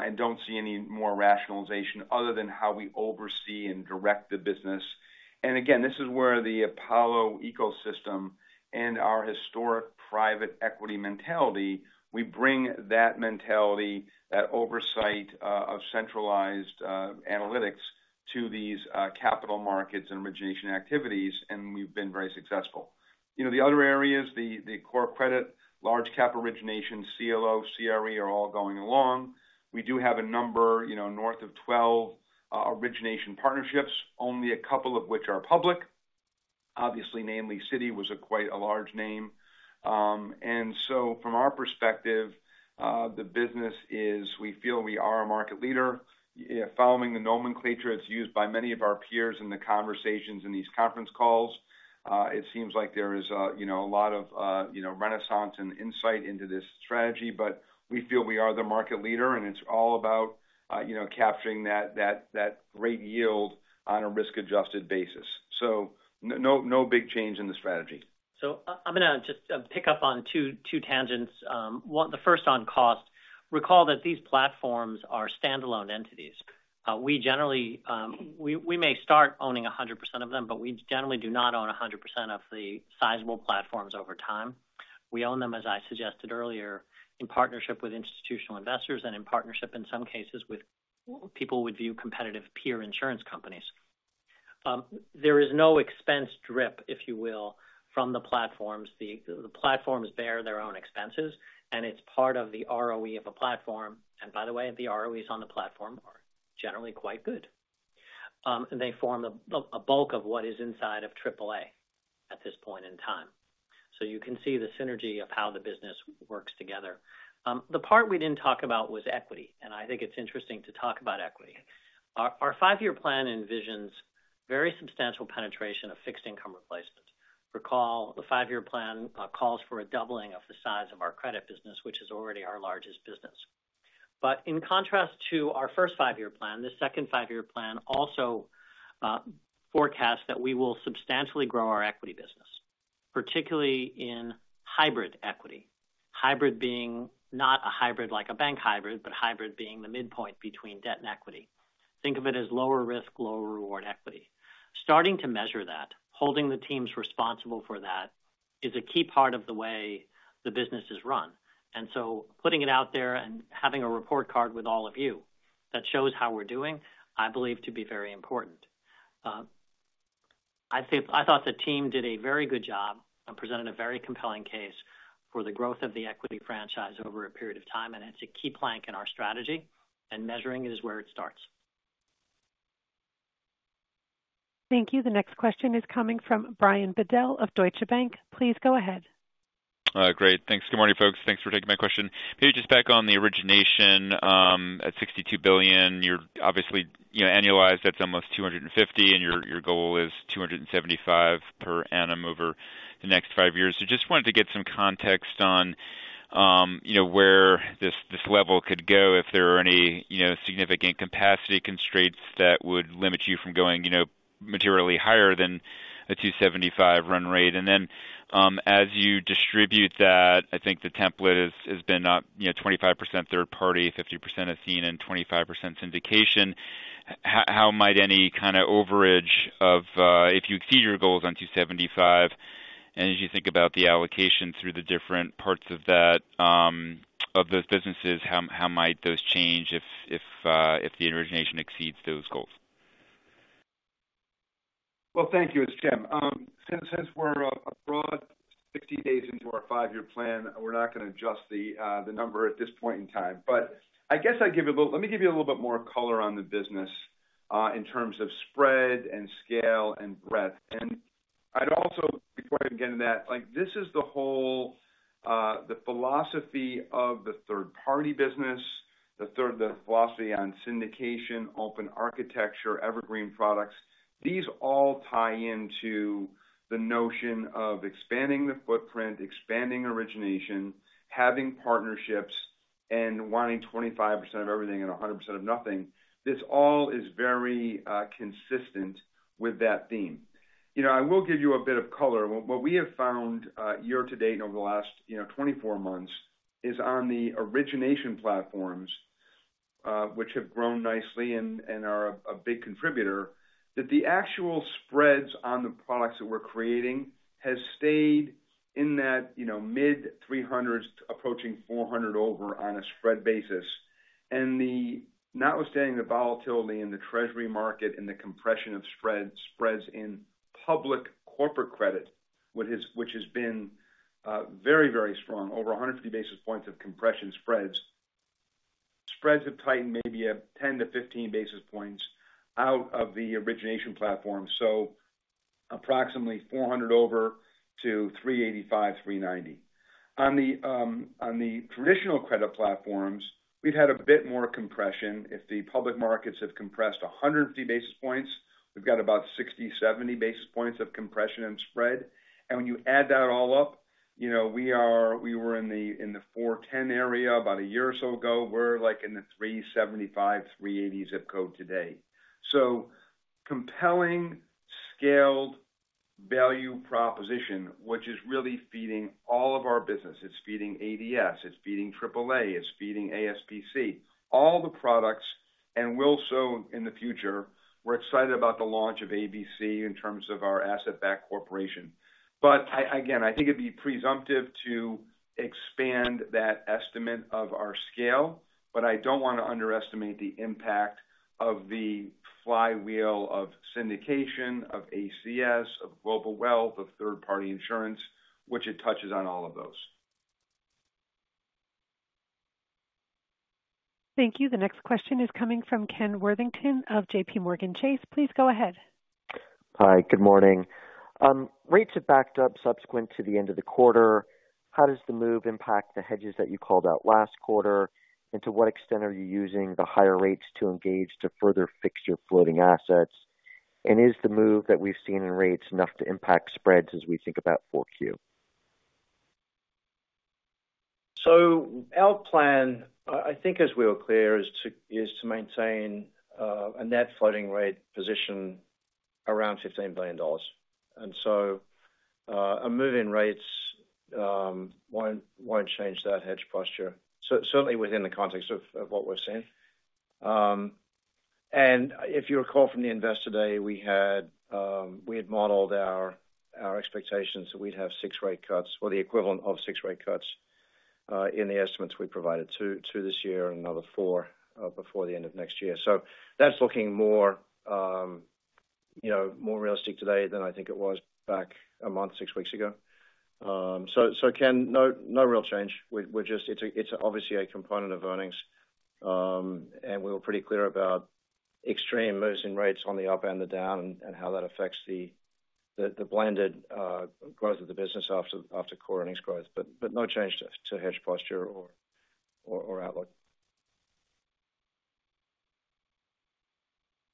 and don't see any more rationalization other than how we oversee and direct the business. And again, this is where the Apollo ecosystem and our historic private equity mentality. We bring that mentality, that oversight of centralized analytics to these capital markets and origination activities, and we've been very successful. The other areas, the core credit, large-cap origination, CLO, CRE are all going along. We do have a number north of 12 origination partnerships, only a couple of which are public. Obviously, Citi was quite a large name. And so from our perspective, the business is. We feel we are a market leader. Following the nomenclature that's used by many of our peers in the conversations in these conference calls, it seems like there is a lot of renaissance and insight into this strategy, but we feel we are the market leader, and it's all about capturing that great yield on a risk-adjusted basis. So no big change in the strategy. So I'm going to just pick up on two tangents. The first on cost. Recall that these platforms are standalone entities. We may start owning 100% of them, but we generally do not own 100% of the sizable platforms over time. We own them, as I suggested earlier, in partnership with institutional investors and in partnership in some cases with people who would view competitive peer insurance companies. There is no expense drip, if you will, from the platforms. The platforms bear their own expenses, and it's part of the ROE of a platform. And by the way, the ROEs on the platform are generally quite good. And they form a bulk of what is inside of AAA at this point in time. So you can see the synergy of how the business works together. The part we didn't talk about was equity, and I think it's interesting to talk about equity. Our five-year plan envisions very substantial penetration of fixed income replacement. Recall, the five-year plan calls for a doubling of the size of our credit business, which is already our largest business. But in contrast to our first five-year plan, the second five-year plan also forecasts that we will substantially grow our equity business, particularly in hybrid equity. Hybrid being not a hybrid like a bank hybrid, but hybrid being the midpoint between debt and equity. Think of it as lower risk, lower reward equity. Starting to measure that, holding the teams responsible for that is a key part of the way the business is run. And so putting it out there and having a report card with all of you that shows how we're doing, I believe, to be very important. I thought the team did a very good job and presented a very compelling case for the growth of the equity franchise over a period of time, and it's a key plank in our strategy, and measuring it is where it starts. Thank you. The next question is coming from Brian Bedell of Deutsche Bank. Please go ahead. Great. Thanks. Good morning, folks. Thanks for taking my question. Maybe just back on the origination at $62 billion, you're obviously annualized. That's almost 250, and your goal is 275 per annum over the next five years. So just wanted to get some context on where this level could go if there are any significant capacity constraints that would limit you from going materially higher than a 275 run rate. And then as you distribute that, I think the template has been 25% third party, 50% Athene, and 25% syndication. How might any kind of overage of if you exceed your goals on 275, and as you think about the allocation through the different parts of those businesses, how might those change if the origination exceeds those goals? Well, thank you. It's Jim. Since we're about 60 days into our five-year plan, we're not going to adjust the number at this point in time. But I guess I'd give you a little, let me give you a little bit more color on the business in terms of spread and scale and breadth. And I'd also, before I get into that, this is the whole philosophy of the third-party business, the philosophy on syndication, open architecture, evergreen products. These all tie into the notion of expanding the footprint, expanding origination, having partnerships, and wanting 25% of everything and 100% of nothing. This all is very consistent with that theme. I will give you a bit of color. What we have found year-to-date and over the last 24 months is on the origination platforms, which have grown nicely and are a big contributor, that the actual spreads on the products that we're creating have stayed in that mid 300s, approaching 400 over on a spread basis. And notwithstanding the volatility in the Treasury market and the compression of spreads in public corporate credit, which has been very, very strong, over 150 basis points of compression spreads, spreads have tightened maybe 10 to 15 basis points out of the origination platform. So approximately 400 over to 385, 390. On the traditional credit platforms, we've had a bit more compression. If the public markets have compressed 150 basis points, we've got about 60, 70 basis points of compression and spread. And when you add that all up, we were in the 410 area about a year or so ago. We're in the 375, 380 zip code today. So compelling scaled value proposition, which is really feeding all of our business. It's feeding ADS. It's feeding AAA. It's feeding ASPC, all the products. And we will do so in the future. We're excited about the launch of ABC in terms of our asset-backed credit. But again, I think it'd be presumptive to expand that estimate of our scale, but I don't want to underestimate the impact of the flywheel of syndication, of ACS, of global wealth, of third-party insurance, which it touches on all of those. Thank you. The next question is coming from Ken Worthington of JPMorgan Chase. Please go ahead. Hi. Good morning. Rates have backed up subsequent to the end of the quarter. How does the move impact the hedges that you called out last quarter? And to what extent are you using the higher rates to engage to further fix your floating assets? And is the move that we've seen in rates enough to impact spreads as we think about 4Q? So our plan, I think as we were clear, is to maintain a net floating rate position around $15 billion. And so a move in rates won't change that hedge posture, certainly within the context of what we're seeing. And if you recall from the investor day, we had modeled our expectations that we'd have six rate cuts or the equivalent of six rate cuts in the estimates we provided to this year and another four before the end of next year. So that's looking more realistic today than I think it was back a month, six weeks ago. So again, no real change. It's obviously a component of earnings, and we were pretty clear about extreme moves in rates on the up and the down and how that affects the blended growth of the business after core earnings growth. But no change to hedge posture or outlook.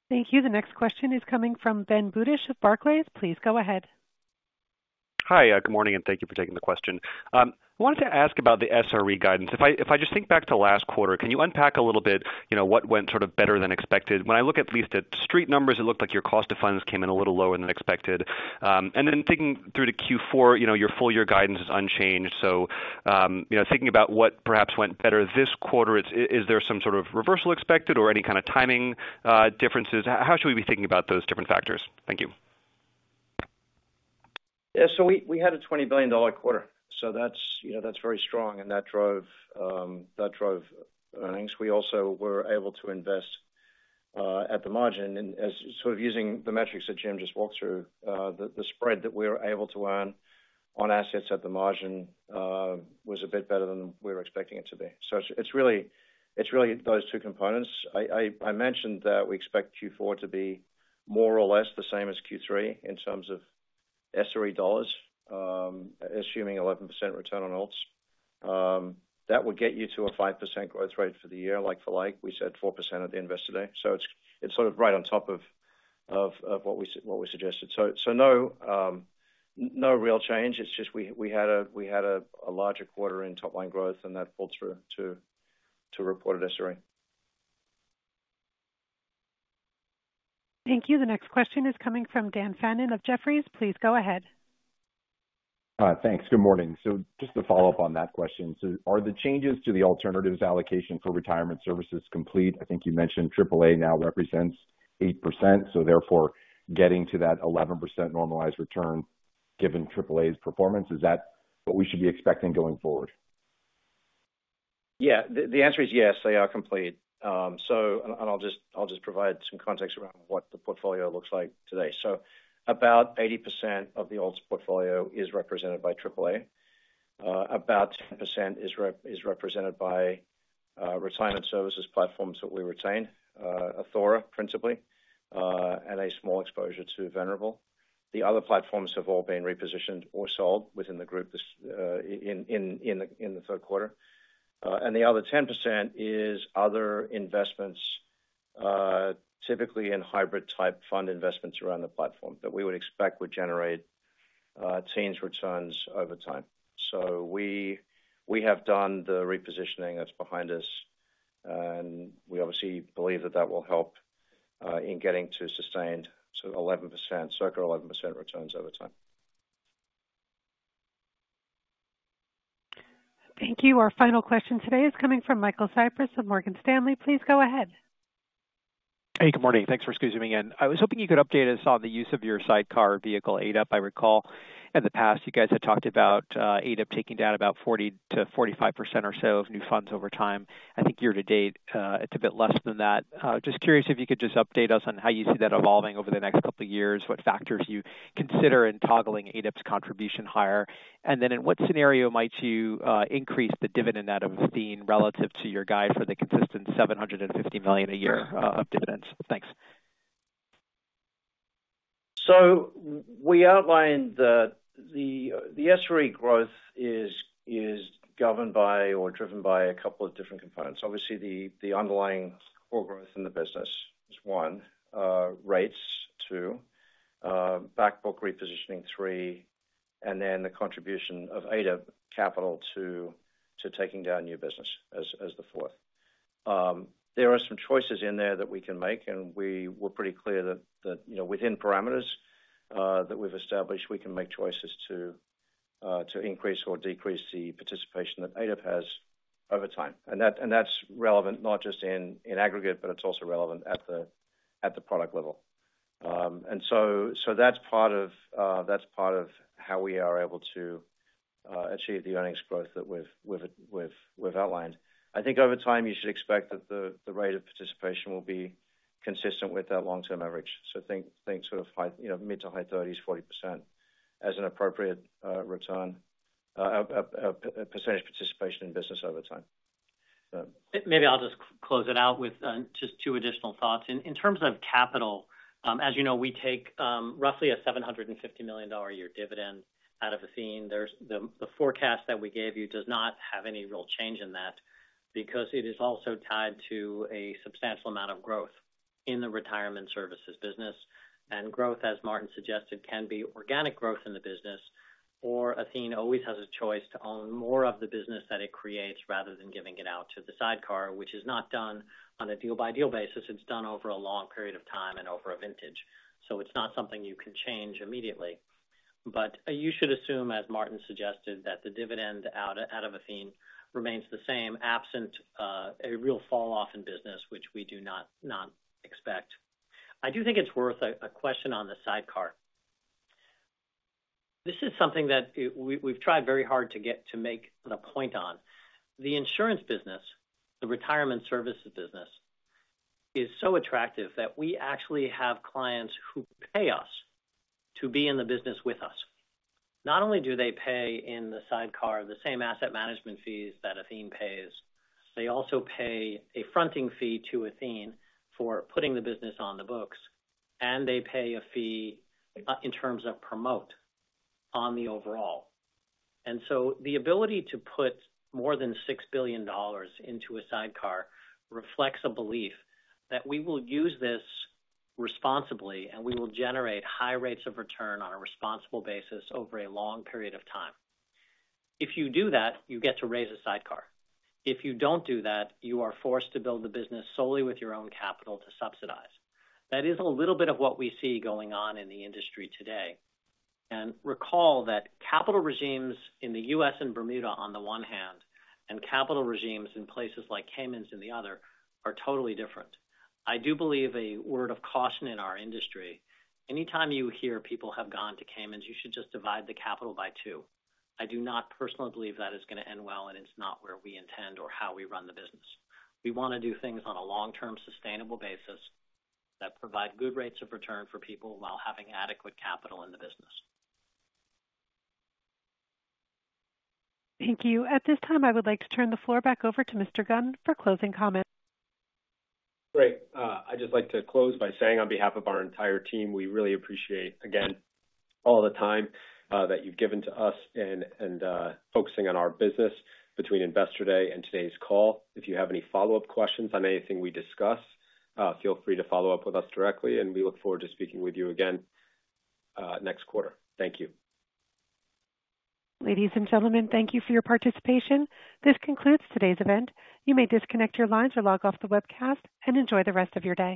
Thank you. The next question is coming from Ben Budish of Barclays. Please go ahead. Hi. Good morning, and thank you for taking the question. I wanted to ask about the SRE guidance. If I just think back to last quarter, can you unpack a little bit what went sort of better than expected? When I look at least at street numbers, it looked like your cost of funds came in a little lower than expected. And then thinking through to Q4, your full year guidance is unchanged. So thinking about what perhaps went sort of better this quarter, is there some sort of reversal expected or any kind of timing differences? How should we be thinking about those different factors? Thank you. Yeah. So we had a $20 billion quarter. So that's very strong, and that drove earnings. We also were able to invest at the margin. And sort of using the metrics that Jim just walked through, the spread that we were able to earn on assets at the margin was a bit better than we were expecting it to be. So it's really those two components. I mentioned that we expect Q4 to be more or less the same as Q3 in terms of SRE dollars, assuming 11% return on alts. That would get you to a 5% growth rate for the year, like for like. We said 4% at the investor day. So it's sort of right on top of what we suggested. So no real change. It's just we had a larger quarter in top-line growth, and that pulled through to reported SRE. Thank you. The next question is coming from Dan Fannon of Jefferies. Please go ahead. Thanks. Good morning. Just to follow up on that question, are the changes to the alternatives allocation for retirement services complete? I think you mentioned AAA now represents 8%. Therefore, getting to that 11% normalized return given AAA's performance, is that what we should be expecting going forward? Yeah. The answer is yes. They are complete. I'll just provide some context around what the portfolio looks like today. About 80% of the alts portfolio is represented by AAA. About 10% is represented by retirement services platforms that we retain, Athora principally, and a small exposure to Venerable. The other platforms have all been repositioned or sold within the group in the third quarter. The other 10% is other investments, typically in hybrid-type fund investments around the platform that we would expect would generate teens' returns over time. So we have done the repositioning that's behind us, and we obviously believe that that will help in getting to sustained circa 11% returns over time. Thank you. Our final question today is coming from Michael Cyprys of Morgan Stanley. Please go ahead. Hey, good morning. Thanks for scooting in. I was hoping you could update us on the use of your sidecar vehicle, ADIP. I recall in the past, you guys had talked about ADIP taking down about 40%-45% or so of new funds over time. I think year-to-date, it's a bit less than that. Just curious if you could just update us on how you see that evolving over the next couple of years, what factors you consider in toggling ADIP's contribution higher, and then in what scenario might you increase the dividend out of Athene relative to your guide for the consistent $750 million a year of dividends? Thanks. So we outlined that the SRE growth is governed by or driven by a couple of different components. Obviously, the underlying core growth in the business is one, rates, two, backbook repositioning, three, and then the contribution of ADIP capital to taking down new business as the fourth. There are some choices in there that we can make, and we were pretty clear that within parameters that we've established, we can make choices to increase or decrease the participation that ADIP has over time. And that's relevant not just in aggregate, but it's also relevant at the product level. And so that's part of how we are able to achieve the earnings growth that we've outlined. I think over time, you should expect that the rate of participation will be consistent with that long-term average. So think sort of mid- to high 30s, 40% as an appropriate percentage participation in business over time. Maybe I'll just close it out with just two additional thoughts. In terms of capital, as you know, we take roughly a $750 million year dividend out of Athene. The forecast that we gave you does not have any real change in that because it is also tied to a substantial amount of growth in the retirement services business. Growth, as Martin suggested, can be organic growth in the business, or Athene always has a choice to own more of the business that it creates rather than giving it out to the sidecar, which is not done on a deal-by-deal basis. It's done over a long period of time and over a vintage. So it's not something you can change immediately. But you should assume, as Martin suggested, that the dividend out of Athene remains the same, absent a real falloff in business, which we do not expect. I do think it's worth a question on the sidecar. This is something that we've tried very hard to make the point on. The insurance business, the retirement services business, is so attractive that we actually have clients who pay us to be in the business with us. Not only do they pay in the sidecar the same asset management fees that Athene pays, they also pay a fronting fee to Athene for putting the business on the books, and they pay a fee in terms of promote on the overall, and so the ability to put more than $6 billion into a sidecar reflects a belief that we will use this responsibly, and we will generate high rates of return on a responsible basis over a long period of time. If you do that, you get to raise a sidecar. If you don't do that, you are forced to build the business solely with your own capital to subsidize. That is a little bit of what we see going on in the industry today. And recall that capital regimes in the U.S. and Bermuda on the one hand, and capital regimes in places like Caymans on the other are totally different. I do believe a word of caution in our industry. Anytime you hear people have gone to Caymans, you should just divide the capital by two. I do not personally believe that is going to end well, and it's not where we intend or how we run the business. We want to do things on a long-term sustainable basis that provide good rates of return for people while having adequate capital in the business. Thank you. At this time, I would like to turn the floor back over to Mr. Gunn for closing comments. Great. I'd just like to close by saying on behalf of our entire team, we really appreciate, again, all the time that you've given to us and focusing on our business between investor day and today's call. If you have any follow-up questions on anything we discuss, feel free to follow up with us directly, and we look forward to speaking with you again next quarter. Thank you. Ladies and gentlemen, thank you for your participation. This concludes today's event. You may disconnect your lines or log off the webcast and enjoy the rest of your day.